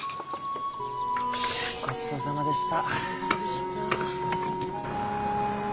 ごちそうさまでした。